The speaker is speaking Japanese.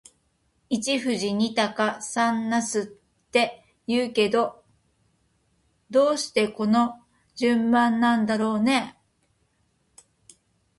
一富士、二鷹、三茄子って言うけど、どうしてこの順番なんだろうね。